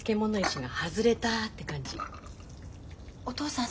お父さん